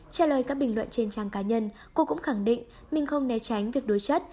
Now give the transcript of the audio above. trả lời các bình luận trên trang cá nhân cô cũng khẳng định mình không né tránh việc đối chất